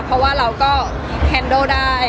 เพราะว่าเราก็แคนโดได้